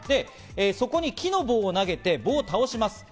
そこに木の棒を投げて棒を倒します。